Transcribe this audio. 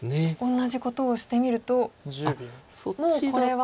同じことをしてみるともうこれは。